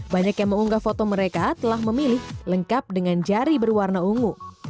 banyak yang mengunggah foto mereka telah memilih lengkap dengan jari berwarna ungu